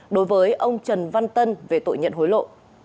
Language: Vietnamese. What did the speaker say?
đối với ông trần văn tân về tội nhận hối lộ